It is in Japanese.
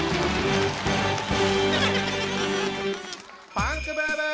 パンクブーブー！